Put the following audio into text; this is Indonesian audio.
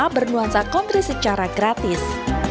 bernuansa kontri secara gratis